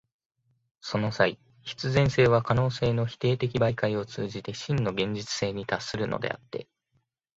その際、必然性は可能性の否定的媒介を通じて真の現実性に達するのであって、